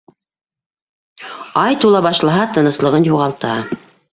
Ай тула башлаһа, тыныслығын юғалта.